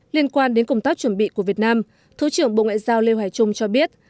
liên quan đến công tác chuẩn bị của việt nam thứ trưởng bộ ngoại giao lê hoài trung cho biết